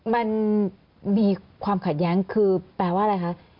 มันมีความขัดแย้งคือแปลว่าอะไรคะ